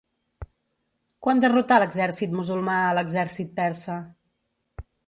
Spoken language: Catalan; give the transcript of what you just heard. Quan derrotà l'exèrcit musulmà a l'exèrcit persa?